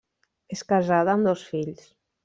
És casada amb dos fills.